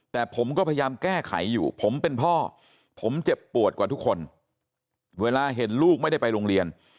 แต่ผมก็พยายามแก้ไขอยู่ผมเป็นพ่อผมเจ็บปวดกว่าทุกคนเวลาเห็นลูกไม่ได้ไปโรงเรียน